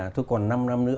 thôi còn năm năm nữa